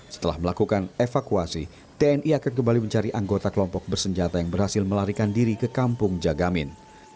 setelah melakukan evakuasi tni akan kembali mencari anggota kelompok bersenjata yang berhasil melarikan diri ke kampung jagamin